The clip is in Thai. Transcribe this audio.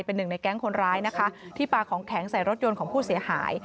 เป็นหนึ่งในแก๊งคนร้ายนะคะที่ปลาของแข็งใส่รถยนต์ของผู้เสียหาย